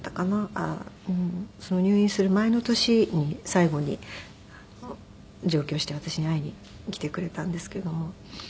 入院する前の年に最後に上京して私に会いに来てくれたんですけども。